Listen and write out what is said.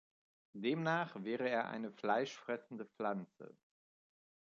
Demnach wäre er eine fleischfressende Pflanze.